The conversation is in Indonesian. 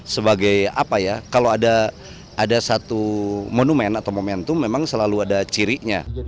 sebagai apa ya kalau ada satu monumen atau momentum memang selalu ada cirinya